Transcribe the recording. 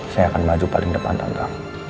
saya akan maju paling depan tangga